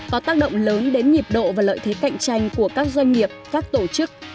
có tác động lớn đến nhịp độ và lợi thế cạnh tranh của các doanh nghiệp các tổ chức